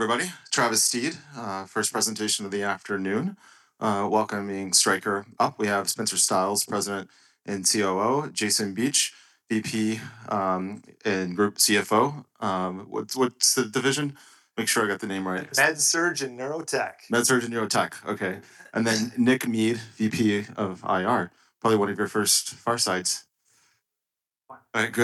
Everybody, Travis Steed. First presentation of the afternoon. Welcoming Stryker up, we have Spencer Stiles, President and Chief Operating Officer, Jason Beach, Vice President, and Group Chief Financial Officer. What's the division? Make sure I got the name right. MedSurg and Neurotech. MedSurg and Neurotech. Okay. Nick Mead, Vice President of Investor Relation, probably one of your first fireside chats. Right.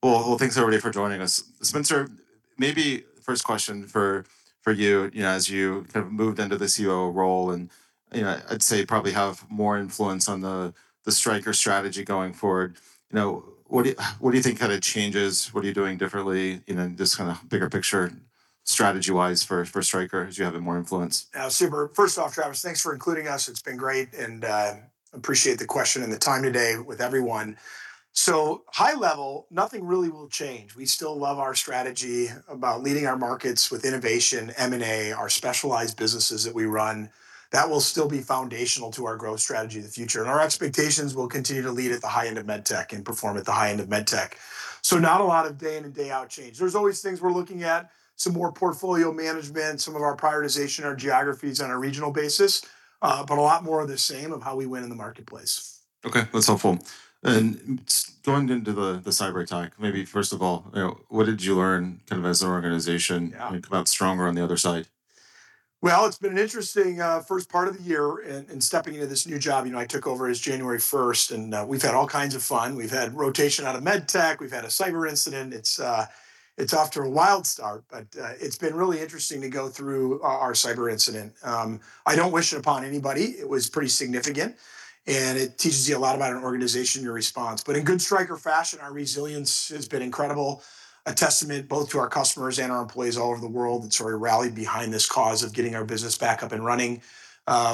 Well, thanks, everybody, for joining us. Spencer, maybe first question for you. You know, as you kind of moved into the Chief Operating Officer role, and, you know, I'd say probably have more influence on the Stryker strategy going forward. You know, what do you think kind of changes? What are you doing differently, you know, just kind of bigger picture strategy-wise for Stryker as you have more influence? Super. First off, Travis, thanks for including us. It's been great, and appreciate the question and the time today with everyone. High level, nothing really will change. We still love our strategy about leading our markets with innovation, M&A, our specialized businesses that we run. That will still be foundational to our growth strategy in the future, and our expectations will continue to lead at the high end of med tech and perform at the high end of med tech. Not a lot of day in and day out change. There's always things we're looking at, some more portfolio management, some of our prioritization, our geographies on a regional basis, but a lot more of the same of how we win in the marketplace. Okay. That's helpful. Going into the cyber attack, maybe first of all, you know, what did you learn kind of as an organization? Yeah Come out stronger on the other side? Well, it's been an interesting first part of the year in stepping into this new job. You know, I took over as January 1st, we've had all kinds of fun. We've had rotation out of med tech. We've had a cyber incident. It's it's off to a wild start, but it's been really interesting to go through our cyber incident. I don't wish it upon anybody. It was pretty significant, and it teaches you a lot about an organization, your response. In good Stryker fashion, our resilience has been incredible. A testament both to our customers and our employees all over the world that sort of rallied behind this cause of getting our business back up and running.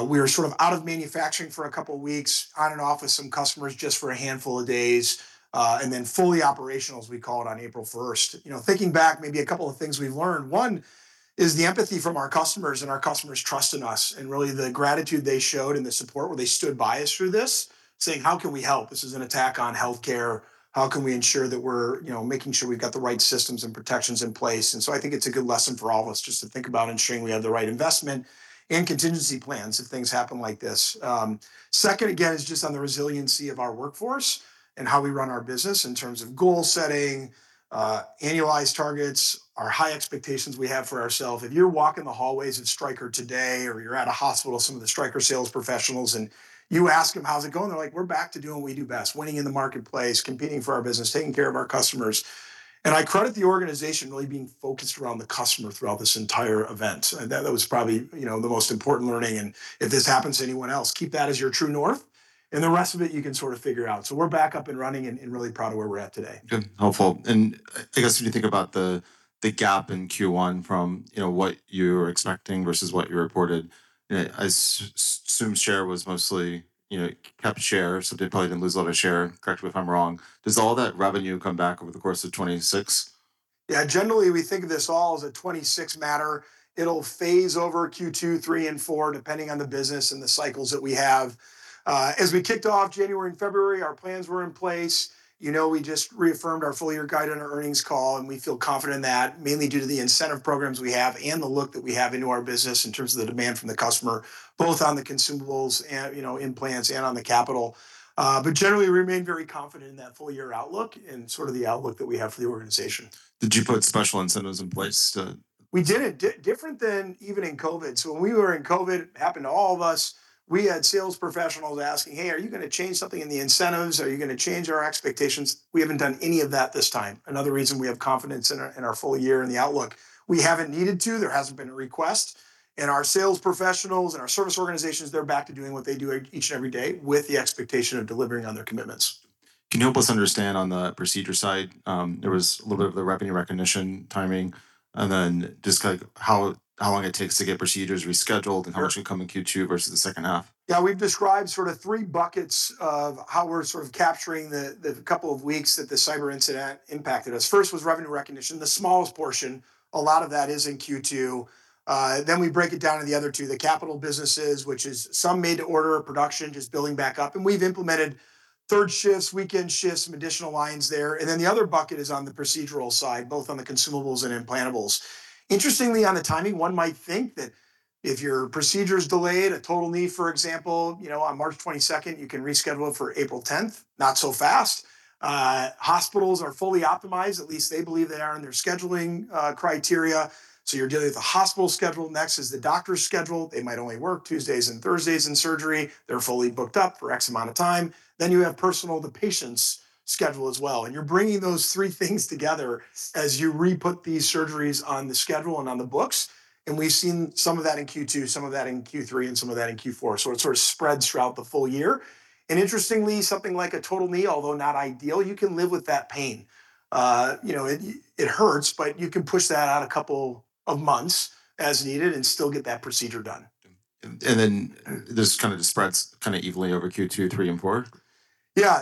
We were sort of out of manufacturing for a couple weeks, on and off with some customers just for a handful of days, and then fully operational, as we call it, on April 1st. You know, thinking back, maybe a couple of things we've learned. One is the empathy from our customers and our customers' trust in us and really the gratitude they showed and the support where they stood by us through this, saying, "How can we help? This is an attack on healthcare. How can we ensure that we're, you know, making sure we've got the right systems and protections in place?" I think it's a good lesson for all of us just to think about ensuring we have the right investment and contingency plans if things happen like this. Second again is just on the resiliency of our workforce and how we run our business in terms of goal setting, annualized targets, our high expectations we have for ourselves. If you're walking the hallways at Stryker today or you're at a hospital, some of the Stryker sales professionals, and you ask them, "How's it going?" They're like, "We're back to doing what we do best, winning in the marketplace, competing for our business, taking care of our customers." I credit the organization really being focused around the customer throughout this entire event. That was probably, you know, the most important learning. If this happens to anyone else, keep that as your true north, and the rest of it you can sort of figure out. We're back up and running and really proud of where we're at today. Good. Helpful. I guess when you think about the gap in Q1 from, you know, what you were expecting versus what you reported, I assume share was mostly, you know, kept share, so probably didn't lose a lot of share. Correct me if I'm wrong. Does all that revenue come back over the course of 2026? Generally, we think of this all as a 2026 matter. It'll phase over Q2, Q3, and Q4, depending on the business and the cycles that we have. As we kicked off January and February, our plans were in place. You know, we just reaffirmed our full year guide on our earnings call. We feel confident in that, mainly due to the incentive programs we have and the look that we have into our business in terms of the demand from the customer, both on the consumables and, you know, implants and on the capital. Generally, we remain very confident in that full year outlook and sort of the outlook that we have for the organization. Did you put special incentives in place? We did it different than even in COVID. When we were in COVID, it happened to all of us, we had sales professionals asking, "Hey, are you gonna change something in the incentives? Are you gonna change our expectations?" We haven't done any of that this time. Another reason we have confidence in our full year and the outlook. We haven't needed to. There hasn't been a request, and our sales professionals and our service organizations, they're back to doing what they do each and every day with the expectation of delivering on their commitments. Can you help us understand on the procedure side, there was a little bit of the revenue recognition timing, and then just like how long it takes to get procedures rescheduled? Yeah How much can come in Q2 versus the second half? Yeah. We've described sort of three buckets of how we're sort of capturing the couple of weeks that the cyber incident impacted us. First was revenue recognition, the smallest portion. A lot of that is in Q2. We break it down to the other two, the capital businesses, which is some made to order production, just building back up. We've implemented third shifts, weekend shifts, some additional lines there. The other bucket is on the procedural side, both on the consumables and implantables. Interestingly, on the timing, one might think that if your procedure's delayed, a total knee, for example, you know, on March 22nd, you can reschedule it for April 10th. Not so fast. Hospitals are fully optimized. At least they believe they are in their scheduling criteria. You're dealing with the hospital schedule. Next is the doctor's schedule. They might only work Tuesdays and Thursdays in surgery. They're fully booked up for X amount of time. You have personal, the patient's schedule as well. You're bringing those three things together as you re-put these surgeries on the schedule and on the books. We've seen some of that in Q2, some of that in Q3, and some of that in Q4. It sort of spreads throughout the full year. Interestingly, something like a total knee, although not ideal, you can live with that pain. You know, it hurts, but you can push that out a couple of months as needed and still get that procedure done. Then this kind of spreads kind of evenly over Q2, Q3, and Q4?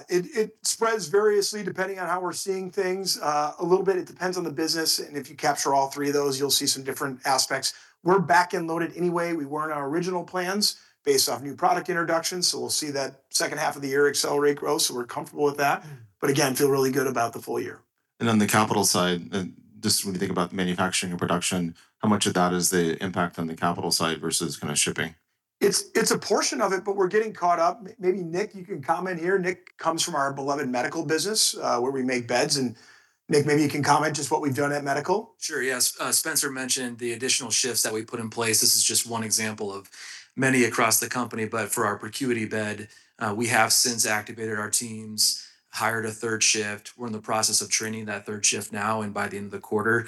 It spreads variously depending on how we're seeing things. A little bit it depends on the business, and if you capture all three of those, you'll see some different aspects. We're back-end loaded anyway. We weren't our original plans based off new product introductions, so we'll see that second half of the year accelerate growth, so we're comfortable with that. We again, feel really good about the full year. On the capital side, just when you think about manufacturing and production, how much of that is the impact on the capital side versus kind of shipping? It's a portion of it, but we're getting caught up. Maybe Nick, you can comment here. Nick comes from our beloved medical business, where we make beds, and Nick, maybe you can comment just what we've done at medical. Sure, yes. Spencer mentioned the additional shifts that we put in place. This is just one example of many across the company, but for our ProCuity bed, we have since activated our teams, hired a third shift. We're in the process of training that third shift now. By the end of the quarter,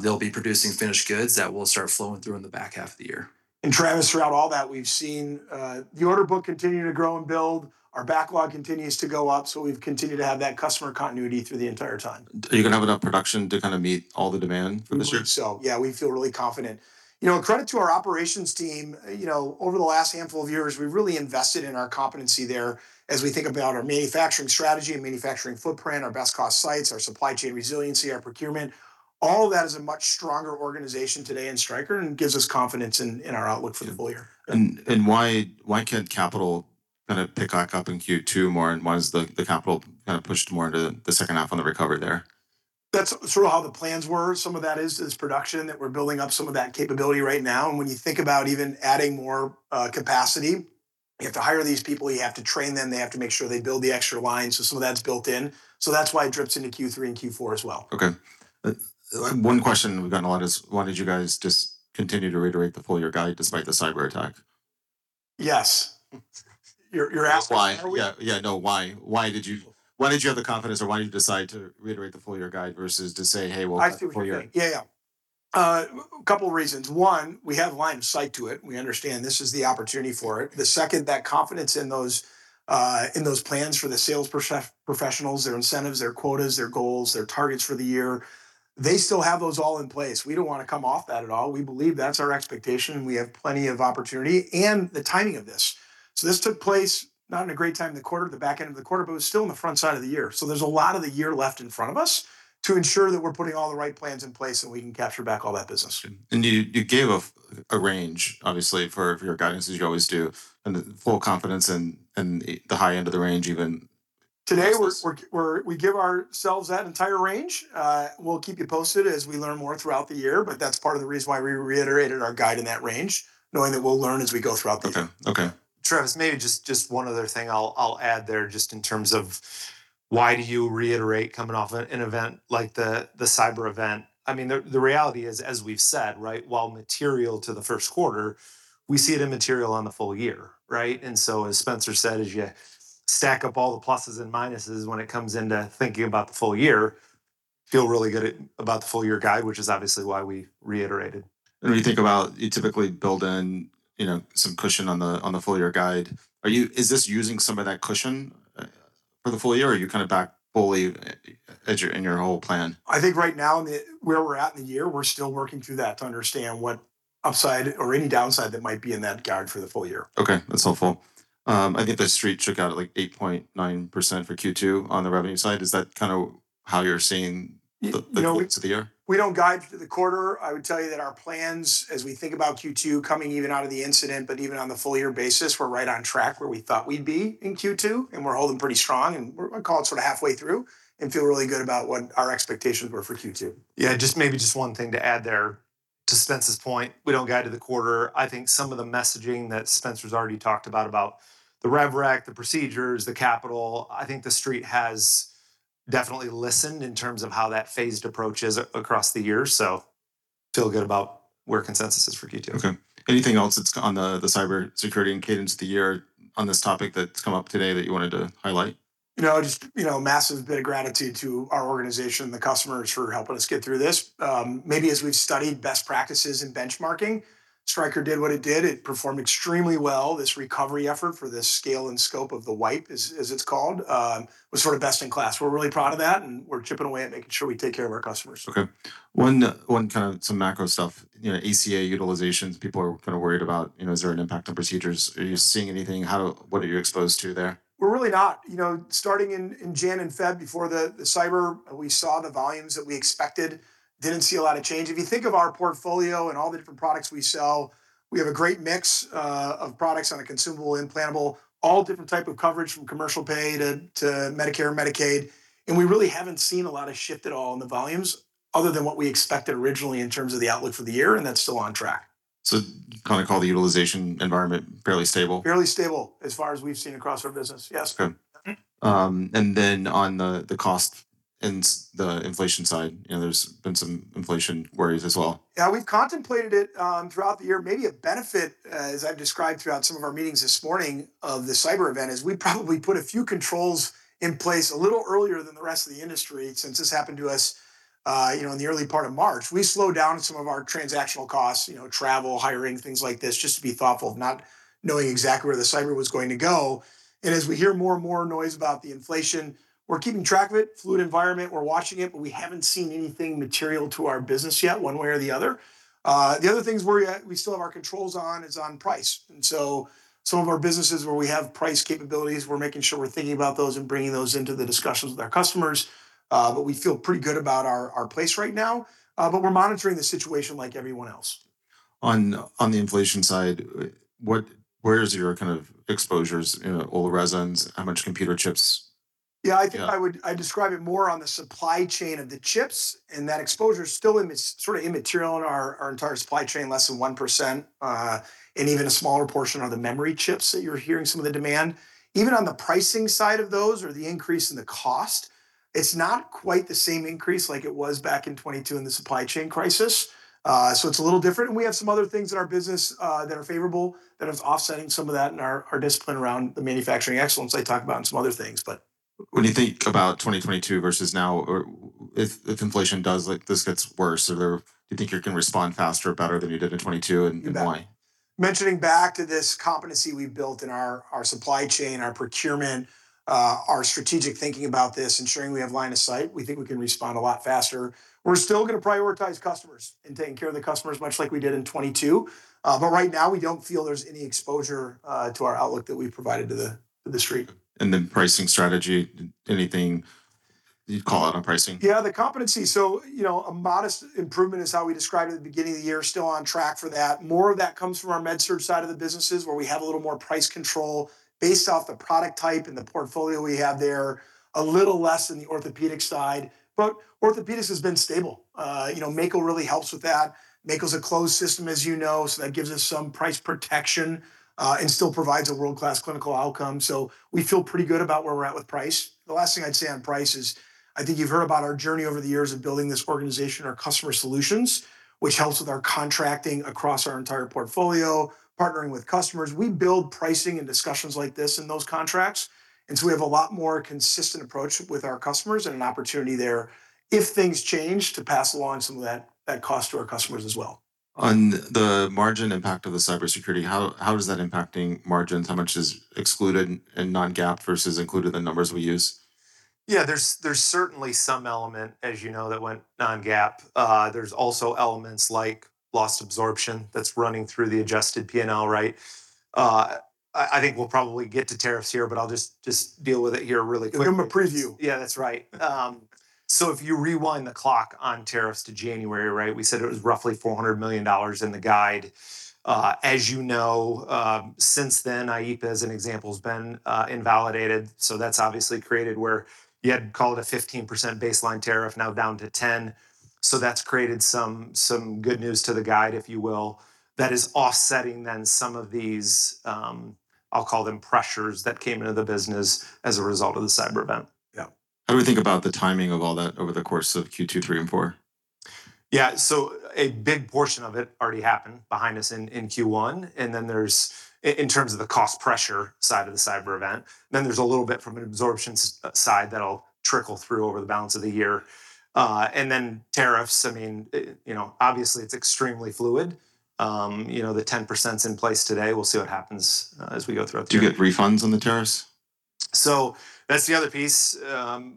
they'll be producing finished goods that will start flowing through in the back half of the year. Travis, throughout all that, we've seen the order book continue to grow and build. Our backlog continues to go up, we've continued to have that customer continuity through the entire time. Are you gonna have enough production to kind of meet all the demand from this group? We think so. Yeah, we feel really confident. You know, credit to our operations team. You know, over the last handful of years, we've really invested in our competency there as we think about our manufacturing strategy and manufacturing footprint, our best cost sites, our supply chain resiliency, our procurement. All of that is a much stronger organization today in Stryker and gives us confidence in our outlook for the full year. Why can't capital kind of pick back up in Q2 more, and why is the capital kind of pushed more into the second half on the recovery there? That's sort of how the plans were. Some of that is production, that we're building up some of that capability right now. When you think about even adding more capacity, you have to hire these people, you have to train them. They have to make sure they build the extra lines. Some of that's built in. That's why it drips into Q3 and Q4 as well. Okay. One question we've gotten a lot is why did you guys just continue to reiterate the full year guide despite the cyber attack? Yes. You're asking are we- That's why. Yeah, yeah. No, why? Why did you have the confidence or why did you decide to reiterate the full year guide versus to say, "Hey, we'll have a full year- I see what you mean. Yeah. Couple reasons. One, we have line of sight to it. We understand this is the opportunity for it. The second, that confidence in those in those plans for the sales professionals, their incentives, their quotas, their goals, their targets for the year, they still have those all in place. We don't wanna come off that at all. We believe that's our expectation, and we have plenty of opportunity and the timing of this. This took place not in a great time in the quarter, the back end of the quarter, but it was still in the front side of the year. There's a lot of the year left in front of us to ensure that we're putting all the right plans in place and we can capture back all that business. You gave a range obviously for your guidance as you always do, and the full confidence in the high end of the range. Today we give ourselves that entire range. We'll keep you posted as we learn more throughout the year. That's part of the reason why we reiterated our guide in that range, knowing that we'll learn as we go throughout the year. Okay, okay. Travis, maybe just one other thing I'll add there just in terms of why do you reiterate coming off an event like the cyber event. I mean, the reality is, as we've said, right, while material to the first quarter, we see it immaterial on the full year, right? As Spencer said, as you stack up all the pluses and minuses when it comes into thinking about the full year, feel really good about the full year guide, which is obviously why we reiterated. When you think about, you typically build in, you know, some cushion on the full year guide. Is this using some of that cushion for the full year, or are you kind of back fully in your whole plan? I think right now in the, where we're at in the year, we're still working through that to understand what upside or any downside that might be in that guide for the full year. Okay. That's helpful. I think the Street shook out at like 8.9% for Q2 on the revenue side. Is that kind of how you're seeing the? You know. Quotes of the year? We don't guide for the quarter. I would tell you that our plans as we think about Q2 coming even out of the incident, but even on the full year basis, we're right on track where we thought we'd be in Q2, and we're holding pretty strong, and we're kind of sort of halfway through and feel really good about what our expectations were for Q2. Just maybe just one thing to add there to Spencer's point. We don't guide to the quarter. I think some of the messaging that Spencer's already talked about the rev rec, the procedures, the capital, I think the Street has definitely listened in terms of how that phased approach is across the year. Feel good about where consensus is for Q2. Okay. Anything else that is on the cyber security and cadence of the year on this topic that has come up today that you wanted to highlight? You know, just, you know, massive bit of gratitude to our organization and the customers for helping us get through this. Maybe as we've studied best practices and benchmarking, Stryker did what it did. It performed extremely well. This recovery effort for the scale and scope of the wipe as it's called, was sort of best in class. We're really proud of that, and we're chipping away at making sure we take care of our customers. Okay. One, one kind of some macro stuff. You know, ACA utilizations, people are kind of worried about, you know, is there an impact on procedures. Are you seeing anything? How, what are you exposed to there? We're really not. You know, starting in January and February before the cyber, we saw the volumes that we expected. Didn't see a lot of change. If you think of our portfolio and all the different products we sell, we have a great mix of products on a consumable, implantable. All different type of coverage from commercial pay to Medicare, Medicaid, and we really haven't seen a lot of shift at all in the volumes other than what we expected originally in terms of the outlook for the year, and that's still on track. Kind of call the utilization environment fairly stable? Fairly stable as far as we've seen across our business, yes. Okay. On the cost and the inflation side, you know, there's been some inflation worries as well. We've contemplated it throughout the year. Maybe a benefit, as I've described throughout some of our meetings this morning of the cyber event, is we probably put a few controls in place a little earlier than the rest of the industry since this happened to us, you know, in the early part of March. We slowed down some of our transactional costs, you know, travel, hiring, things like this, just to be thoughtful, not knowing exactly where the cyber was going to go. As we hear more and more noise about the inflation, we're keeping track of it. Fluid environment, we're watching it, but we haven't seen anything material to our business yet one way or the other. The other things we're, we still have our controls on is on price. Some of our businesses where we have price capabilities, we're making sure we're thinking about those and bringing those into the discussions with our customers. We feel pretty good about our place right now, but we're monitoring the situation like everyone else. On the inflation side, where is your kind of exposures? You know, all the resins, how much computer chips? Yeah, I think. Yeah I describe it more on the supply chain of the chips. That exposure's still immaterial in our entire supply chain, less than 1%, and even a smaller portion are the memory chips that you're hearing some of the demand. Even on the pricing side of those, or the increase in the cost, it's not quite the same increase like it was back in 2022 in the supply chain crisis. It's a little different, and we have some other things in our business that are favorable, that is offsetting some of that in our discipline around the manufacturing excellence I talked about and some other things. When you think about 2022 versus now, or if inflation does, like, this gets worse, or do you think you can respond faster or better than you did in 2022, and why? You bet. Mentioning back to this competency we've built in our supply chain, our procurement, our strategic thinking about this, ensuring we have line of sight, we think we can respond a lot faster. We're still gonna prioritize customers and taking care of the customers, much like we did in 2022. Right now we don't feel there's any exposure to our outlook that we've provided to the street. Pricing strategy, anything you'd call out on pricing? Yeah, the competency. You know, a modest improvement is how we described it at the beginning of the year, still on track for that. More of that comes from our MedSurg side of the business, where we have a little more price control based off the product type and the portfolio we have there. A little less in the orthopaedic side. Orthopaedics has been stable. You know, Mako really helps with that. Mako's a closed system, as you know, so that gives us some price protection and still provides a world-class clinical outcome. We feel pretty good about where we're at with price. The last thing I'd say on price is, I think you've heard about our journey over the years of building this organization, our Customer Solutions, which helps with our contracting across our entire portfolio, partnering with customers. We build pricing and discussions like this in those contracts, and so we have a lot more consistent approach with our customers, and an opportunity there if things change, to pass along some of that cost to our customers as well. On the margin impact of the cybersecurity, how is that impacting margins? How much is excluded in non-GAAP versus included in the numbers we use? Yeah, there's certainly some element, as you know, that went non-GAAP. There's also elements like loss absorption that's running through the adjusted P&L, right? I think we'll probably get to tariffs here, but I'll just deal with it here really quickly. Give them a preview. That's right. If you rewind the clock on tariffs to January, right, we said it was roughly $400 million in the guide. As you know, since then, IEEPA, as an example, has been invalidated, that's obviously created where you had called it a 15% baseline tariff, now down to 10%. That's created some good news to the guide, if you will, that is offsetting then some of these, I'll call them pressures, that came into the business as a result of the cyber event. Yeah. How do we think about the timing of all that over the course of Q2, Q3, and Q4? A big portion of it already happened behind us in Q1, there's in terms of the cost pressure side of the cyber event. There's a little bit from an absorption side that'll trickle through over the balance of the year. Tariffs, I mean, you know, obviously it's extremely fluid. You know, the 10%'s in place today. We'll see what happens as we go throughout the year. Do you get refunds on the tariffs? That's the other piece,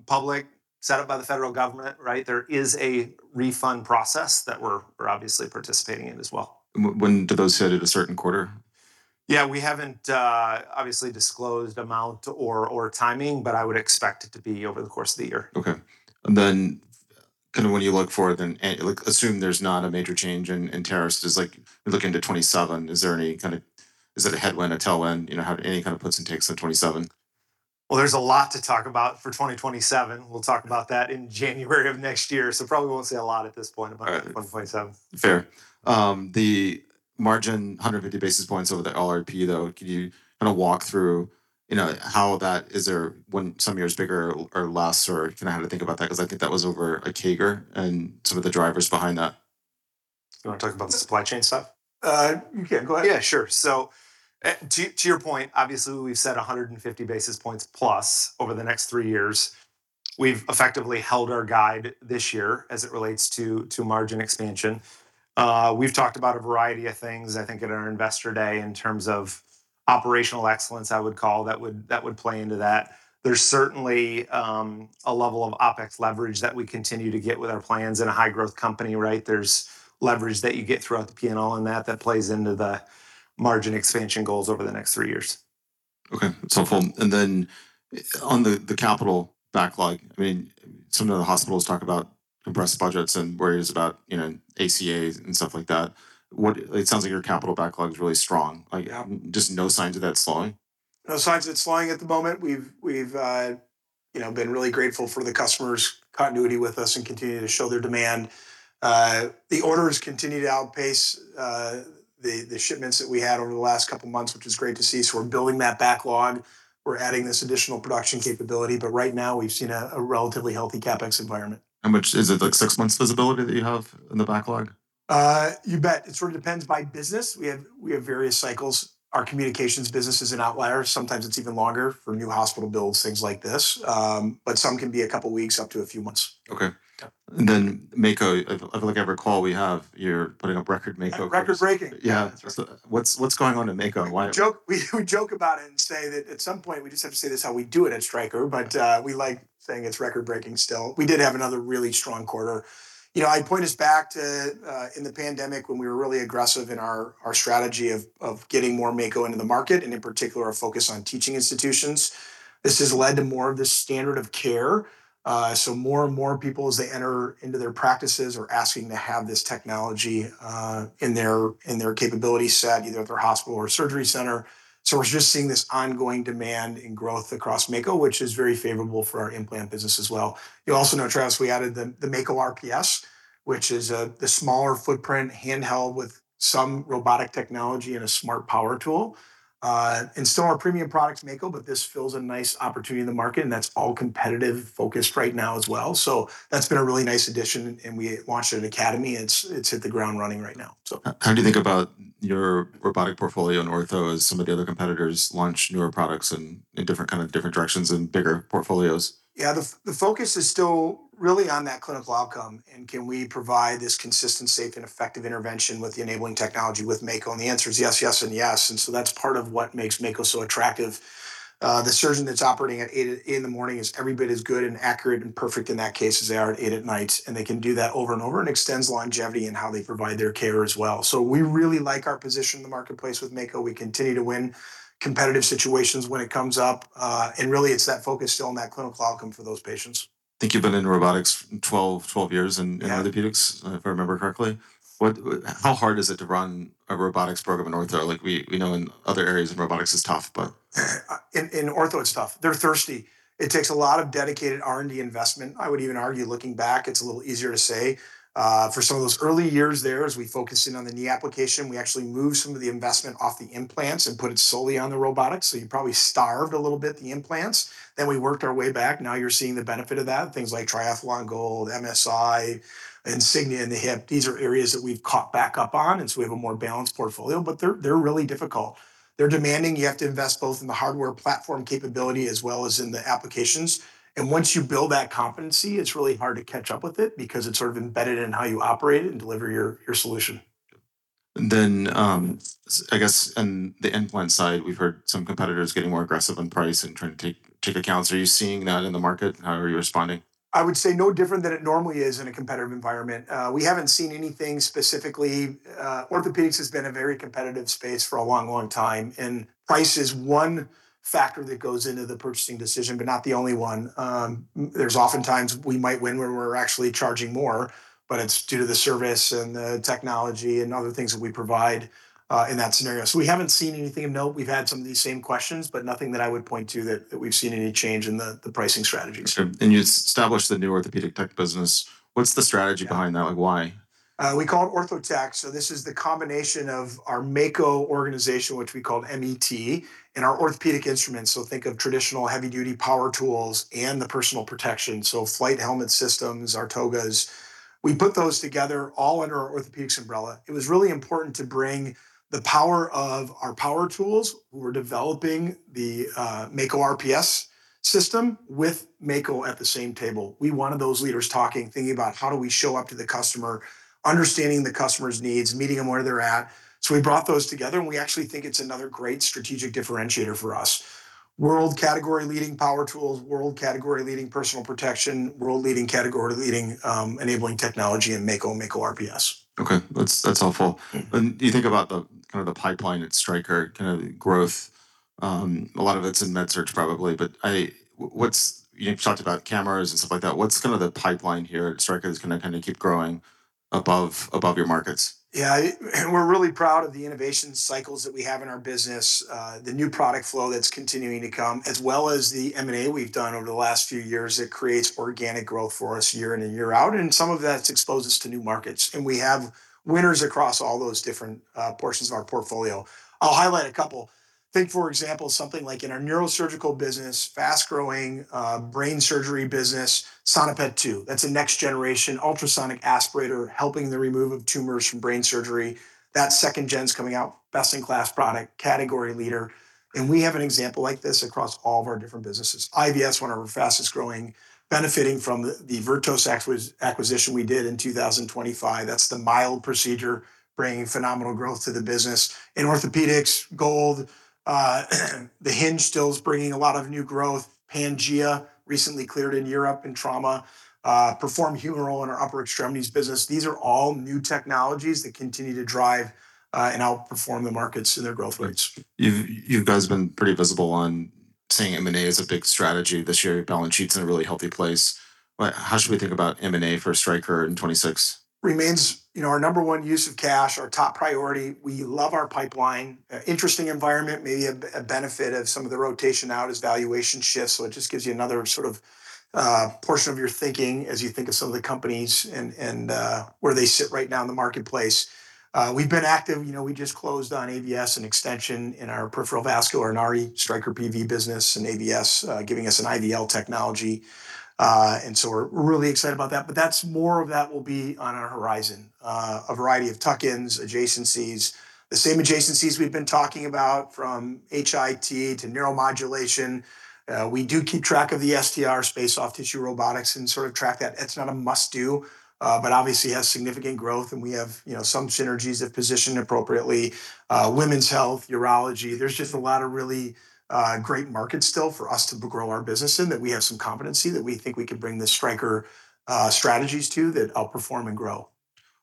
public, set up by the federal government, right? There is a refund process that we're obviously participating in as well. When do those hit, at a certain quarter? We haven't obviously disclosed amount or timing, but I would expect it to be over the course of the year. Okay. Then kinda when you look forward, like assume there's not a major change in tariffs, just, like, looking to 2027, is it a headwind, a tailwind? You know, how, any kind of puts and takes in 2027? Well, there's a lot to talk about for 2027. We'll talk about that in January of next year. Probably won't say a lot at this point about 2027. All right. Fair. The margin 150 basis points over the LRP, though. Can you kind of walk through, you know, how that, is there, when some years bigger or less, or kind of how to think about that? Because I think that was over a CAGR, and some of the drivers behind that. You want to talk about the supply chain stuff? You can go ahead. Yeah, sure. To your point, obviously we've said 150 basis points plus over the next three years. We've effectively held our guide this year as it relates to margin expansion. We've talked about a variety of things, I think at our Investor Day, in terms of operational excellence, I would call, that would play into that. There's certainly a level of OpEx leverage that we continue to get with our plans in a high-growth company, right? There's leverage that you get throughout the P&L and that plays into the margin expansion goals over the next three years. Okay. That's helpful. On the capital backlog, I mean, some of the hospitals talk about compressed budgets and worries about, you know, ACAs and stuff like that. It sounds like your capital backlog is really strong. Yeah. Like, just no signs of that slowing? No signs of it slowing at the moment. We've, you know, been really grateful for the customers' continuity with us and continuing to show their demand. The orders continue to outpace the shipments that we had over the last couple months, which is great to see. We're building that backlog. We're adding this additional production capability. Right now, we've seen a relatively healthy CapEx environment. Is it like six months visibility that you have in the backlog? You bet. It sort of depends by business. We have various cycles. Our communications business is an outlier. Sometimes it's even longer for new hospital builds, things like this. Some can be a couple weeks up to a few months. Okay. Yeah. Mako, if like I recall, you're putting up record Mako. Record-breaking. Yeah. That's right. What's going on in Mako? Joke. We joke about it and say that at some point we just have to say this is how we do it at Stryker. We like saying it's record-breaking still. We did have another really strong quarter. You know, I point us back to in the pandemic when we were really aggressive in our strategy of getting more Mako into the market and in particular, our focus on teaching institutions. This has led to more of the standard of care. More and more people, as they enter into their practices, are asking to have this technology in their capability set, either at their hospital or surgery center. We're just seeing this ongoing demand and growth across Mako, which is very favorable for our implant business as well. You'll also know, Travis, we added the Mako RPS, which is the smaller footprint handheld with some robotic technology and a smart power tool. Still our premium products Mako, but this fills a nice opportunity in the market, and that's all competitive-focused right now as well. That's been a really nice addition, and we launched it at AAOS, and it's hit the ground running right now. How do you think about your robotic portfolio in ortho as some of the other competitors launch newer products in different kind of different directions and bigger portfolios? The focus is still really on that clinical outcome, can we provide this consistent, safe, and effective intervention with the enabling technology with Mako? The answer is yes, and yes. That's part of what makes Mako so attractive. The surgeon that's operating at 8:00 A.M in the morning is every bit as good and accurate and perfect in that case as they are at 8:00 P.M at night. They can do that over and over, and extends longevity in how they provide their care as well. We really like our position in the marketplace with Mako. We continue to win competitive situations when it comes up. Really it's that focus still on that clinical outcome for those patients. I think you've been in robotics 12 years in orthopedics. Yeah If I remember correctly. How hard is it to run a robotics program in ortho? Like we know in other areas robotics is tough. In ortho it's tough. They're thirsty. It takes a lot of dedicated R&D investment. I would even argue, looking back, it's a little easier to say. For some of those early years there, as we focus in on the knee application, we actually moved some of the investment off the implants and put it solely on the robotics. You probably starved a little bit the implants. We worked our way back. Now you're seeing the benefit of that. Things like Triathlon, MSI, Insignia in the hip, these are areas that we've caught back up on, we have a more balanced portfolio. They're really difficult. They're demanding. You have to invest both in the hardware platform capability as well as in the applications. Once you build that competency, it's really hard to catch up with it because it's sort of embedded in how you operate it and deliver your solution. I guess on the implant side, we've heard some competitors getting more aggressive on price and trying to take accounts. Are you seeing that in the market? How are you responding? I would say no different than it normally is in a competitive environment. We haven't seen anything specifically. Orthopedics has been a very competitive space for a long, long time, and price is one factor that goes into the purchasing decision, but not the only one. There's oftentimes we might win when we're actually charging more, but it's due to the service and the technology and other things that we provide in that scenario. We haven't seen anything of note. We've had some of these same questions, but nothing that I would point to that we've seen any change in the pricing strategy. Okay. You established the new Ortho Tech business. What's the strategy behind that? Like, why? We call it Ortho Tech. This is the combination of our Mako organization, which we called MET, and our orthopedic instruments. Think of traditional heavy-duty power tools and the personal protection, Flyte helmet systems, our T5. We put those together all under our orthopedics umbrella. It was really important to bring the power of our power tools. We're developing the Mako RPS with Mako at the same table. We wanted those leaders talking, thinking about how do we show up to the customer, understanding the customer's needs, meeting them where they're at. We brought those together, and we actually think it's another great strategic differentiator for us. World category-leading power tools, world category-leading personal protection, world leading category-leading enabling technology in Mako and Mako RPS. Okay. That's all full. You think about the kind of the pipeline at Stryker, kind of growth, a lot of it's in MedSurg probably, but you've talked about cameras and stuff like that. What's kind of the pipeline here at Stryker that's gonna kinda keep growing above your markets? Yeah. We're really proud of the innovation cycles that we have in our business, the new product flow that's continuing to come, as well as the M&A we've done over the last few years. It creates organic growth for us year in and year out, some of that's exposed us to new markets. We have winners across all those different portions of our portfolio. I'll highlight a couple. Think, for example, something like in our neurosurgical business, fast-growing, brain surgery business, Sonopet iQ. That's a next generation ultrasonic aspirator helping the remove of tumors from brain surgery. That second gen's coming out, best in class product, category leader. We have an example like this across all of our different businesses. IVS, one of our fastest-growing, benefiting from the Vocera acquisition we did in 2025. That's the mild procedure bringing phenomenal growth to the business. In orthopedics, GOLD, the hinge still is bringing a lot of new growth. Pangea recently cleared in Europe in trauma. Perform Humeral in our upper extremities business. These are all new technologies that continue to drive and outperform the markets in their growth rates. You guys been pretty visible on saying M&A is a big strategy this year. Your balance sheet's in a really healthy place. Like how should we think about M&A for Stryker in 2026? Remains, you know, our number one use of cash, our top priority. We love our pipeline. Interesting environment, maybe a benefit of some of the rotation out is valuation shifts. It just gives you another sort of portion of your thinking as you think of some of the companies and where they sit right now in the marketplace. We've been active. You know, we just closed on AVS, an extension in our peripheral vascular and Stryker PV business, and AVS giving us an IVL technology. We're really excited about that, but that's more of that will be on our horizon. A variety of tuck-ins, adjacencies. The same adjacencies we've been talking about from HIT to neuromodulation. We do keep track of the STR space, soft tissue robotics, and sort of track that. It's not a must-do, but obviously has significant growth, and we have, you know, some synergies that position appropriately. Women's health, urology, there's just a lot of really great markets still for us to grow our business in, that we have some competency that we think we can bring the Stryker strategies to that outperform and grow.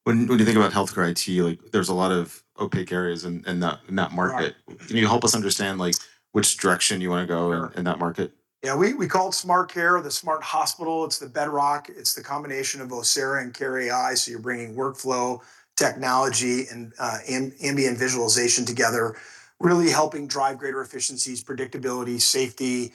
When you think about healthcare IT, like, there's a lot of opaque areas in that market. Right. Can you help us understand, like, which direction you wanna go in? Sure In that market? Yeah. We call it SmartCare or the smart hospital. It's the bedrock. It's the combination of both Vocera and care.ai, so you're bringing workflow technology and ambient visualization together, really helping drive greater efficiencies, predictability, safety,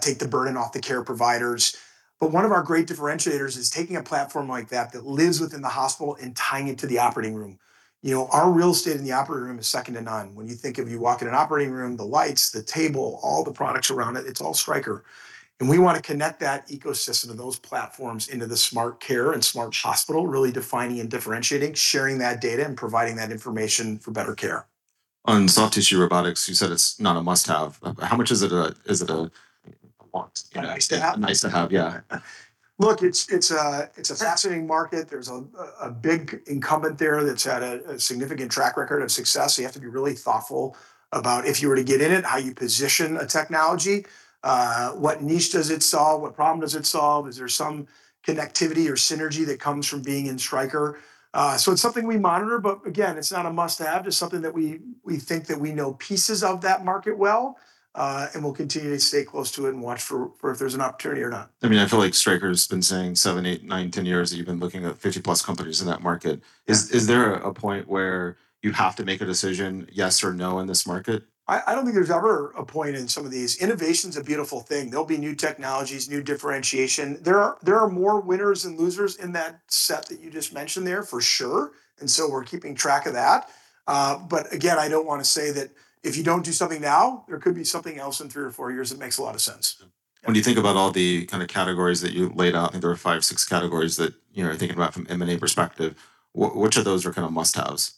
take the burden off the care providers. One of our great differentiators is taking a platform like that that lives within the hospital and tying it to the operating room. You know, our real estate in the operating room is second to none. When you think of you walk in an operating room, the lights, the table, all the products around it's all Stryker. We wanna connect that ecosystem to those platforms into the SmartCare and smart hospital, really defining and differentiating, sharing that data and providing that information for better care. On soft tissue robotics, you said it's not a must-have. How much is it a want? Nice to have. Nice to have, yeah. Look, it's a fascinating market. There's a big incumbent there that's had a significant track record of success, so you have to be really thoughtful about if you were to get in it, how you position a technology, what niche does it solve, what problem does it solve. Is there some connectivity or synergy that comes from being in Stryker? It's something we monitor, but again, it's not a must-have. It's something that we think that we know pieces of that market well, and we'll continue to stay close to it and watch for if there's an opportunity or not. I mean, I feel like Stryker's been saying seven, eight, nine, 10 years that you've been looking at 50+ companies in that market. Yeah. Is there a point where you have to make a decision, yes or no, in this market? I don't think there's ever a point in some of these. Innovation's a beautiful thing. There'll be new technologies, new differentiation. There are more winners than losers in that set that you just mentioned there for sure. We're keeping track of that. Again, I don't wanna say that if you don't do something now, there could be something else in three or four years that makes a lot of sense. When you think about all the kind of categories that you laid out, I think there were five, six categories that, you know, I'm thinking about from M&A perspective, which of those are kind of must-haves?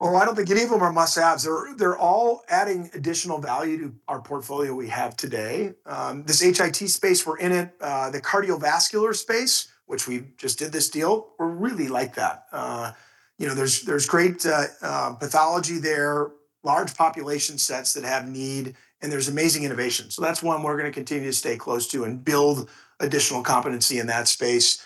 Well, I don't think any of them are must-haves. They're all adding additional value to our portfolio we have today. This HIT space we're in it. The cardiovascular space, which we just did this deal, we really like that. You know, there's great pathology there, large population sets that have need, and there's amazing innovation. That's one we're gonna continue to stay close to and build additional competency in that space.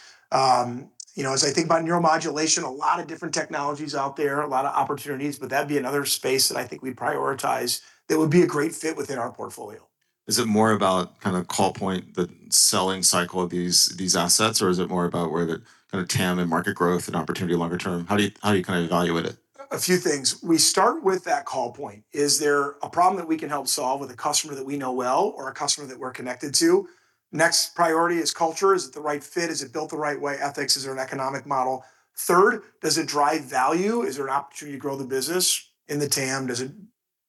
You know, as I think about neuromodulation, a lot of different technologies out there, a lot of opportunities. That'd be another space that I think we prioritize that would be a great fit within our portfolio. Is it more about kinda call point, the selling cycle of these assets, or is it more about where the kinda TAM and market growth and opportunity longer term? How do you kinda evaluate it? A few things. We start with that call point. Is there a problem that we can help solve with a customer that we know well or a customer that we're connected to? Next priority is culture. Is it the right fit? Is it built the right way? Ethics. Is there an economic model? Third, does it drive value? Is there an opportunity to grow the business in the TAM? Does it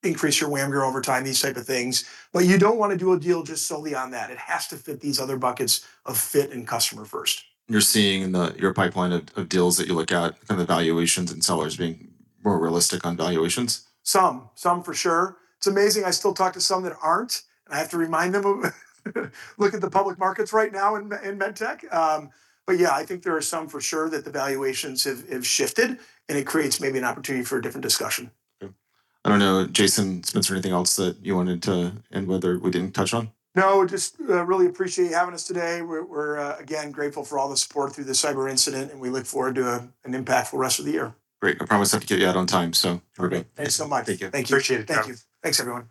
increase your WAMGR over time? These type of things. You don't wanna do a deal just solely on that. It has to fit these other buckets of fit and customer first. You're seeing in your pipeline of deals that you look at kinda valuations and sellers being more realistic on valuations? Some. Some for sure. It's amazing, I still talk to some that aren't, and I have to remind them of look at the public markets right now in med tech. Yeah, I think there are some for sure that the valuations have shifted, and it creates maybe an opportunity for a different discussion. Okay. I don't know, Jason, Spencer, anything else that you wanted to end with or we didn't touch on? No, just really appreciate you having us today. We're again grateful for all the support through the cyber incident, and we look forward to an impactful rest of the year. Great. I promise I have to get you out on time, so we're good. Thanks so much. Take care. Thank you. Appreciate it. Thank you. Thanks, everyone.